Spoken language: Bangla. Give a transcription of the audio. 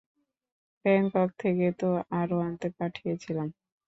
ব্যাংকক থেকে তো আরো আনতে পাঠিয়েছিলাম।